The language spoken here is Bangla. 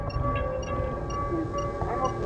টেলস, শুনতে পাচ্ছ?